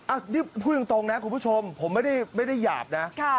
อันนี้พูดตรงนะคุณผู้ชมผมไม่ได้หยาบนะ